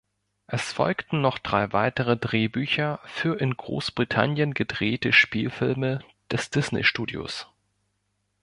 Es folgten noch drei weitere Drehbücher für in Großbritannien gedrehte Spielfilme des Disney-Studios.